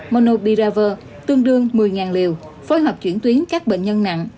monobiraver tương đương một mươi liều phối hợp chuyển tuyến các bệnh nhân nặng